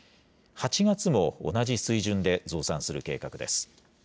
８月も同じ水準で増産する計画です。